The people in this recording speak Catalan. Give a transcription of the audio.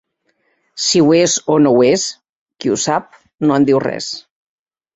Si ho és o no ho és, qui ho sap, no en diu res.